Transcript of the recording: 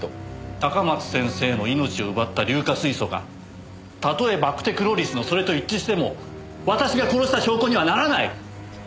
高松先生の命を奪った硫化水素がたとえバクテクロリスのそれと一致しても私が殺した証拠にはならない！